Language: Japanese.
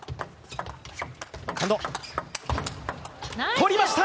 取りました！